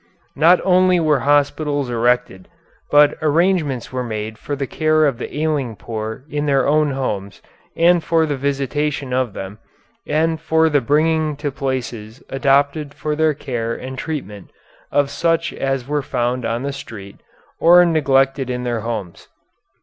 Not only were hospitals erected, but arrangements were made for the care of the ailing poor in their own homes and for the visitation of them, and for the bringing to places adapted for their care and treatment of such as were found on the street, or neglected in their homes.